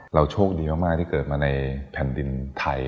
โชคดีมากที่เกิดมาในแผ่นดินไทย